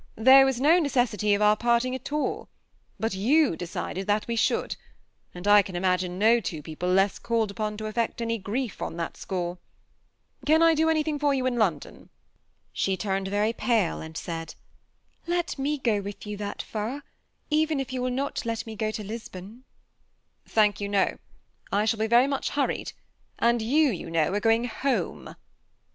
There was no necessity for our part ing at all ; but you decided that we should, and I can imagine no two people less called upon to affect any grief on that jBCore. Can I do anything for you in Lon don?" She turned very pale, and said, ''Let me go with 228 THB SEaa ATTACHED GOUPLB. yoa that txTj even if 70a will not let me go to Lis bOD.'' *^ Thank 7011, no ; I shall be Yerj much hurried, and 7011, 70a know, are going home.